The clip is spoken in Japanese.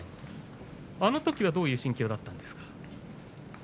あのときはどういう心境だったんですか。